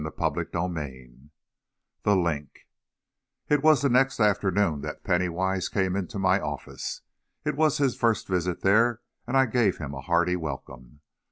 CHAPTER XII The Link It was the next afternoon that Penny Wise came into my office. It was his first visit there, and I gave him a hearty welcome.